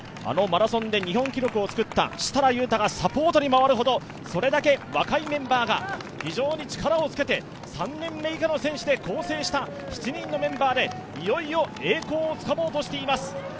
あのマラソンで日本記録を作った設楽悠太がサポートに回るほど、それだけ若いメンバーが非常に力をつけて３年目以下の選手で構成した７人のメンバーでいよいよ栄光をつかもうとしています。